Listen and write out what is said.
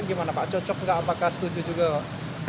gimana pak cocok nggak pak kasut juga pak